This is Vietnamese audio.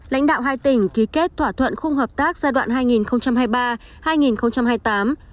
lãnh đạo hai tỉnh ký kết thỏa thuận khung hợp tác giai đoạn hai nghìn hai mươi ba hai nghìn hai mươi tám